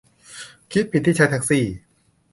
คิดผิดที่ใช้แท็กซี่